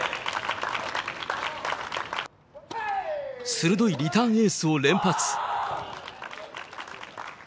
鋭いリターンエースを連発。